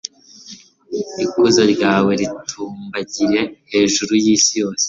ikuzo ryawe ritumbagire hejuru y'isi yose